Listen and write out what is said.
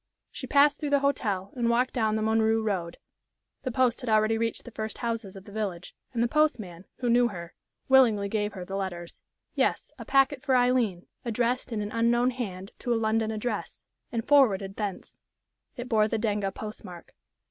She passed through the hotel and walked down the Montreux road. The post had already reached the first houses of the village, and the postman, who knew her, willingly gave her the letters. Yes, a packet for Aileen, addressed in an unknown hand to a London address, and forwarded thence. It bore the Denga postmark.